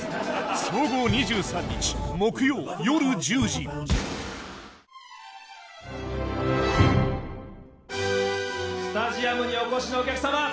総合２３日木曜夜１０時スタジアムにお越しのお客様！